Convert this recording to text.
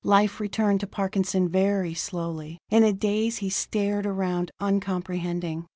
Life returned to Parkinson very slowly. In a daze he stared around, uncomprehending.